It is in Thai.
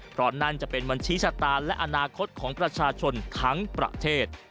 เพราะนั่นจะเป็นบัญชีชะตาและอนาคตของประชาชนทั้งประเทศ